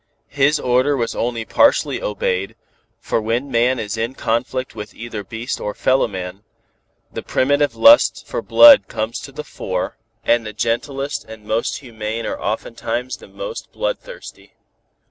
His order was only partially obeyed, for when man is in conflict with either beast or fellowman, the primitive lust for blood comes to the fore, and the gentlest and most humane are oftentimes the most bloodthirsty.